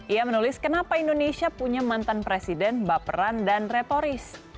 ia menulis kenapa indonesia punya mantan presiden baperan dan retoris